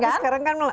tapi sekarang kan